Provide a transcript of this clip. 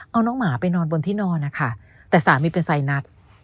เอาน้องหมาไปนอนบนที่นอนนะคะแต่สามีเป็นไซนัส